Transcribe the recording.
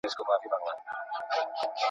ایا صالح اعمال له اجرونو څخه خالي کېدای سي؟